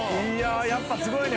やっぱすごいね。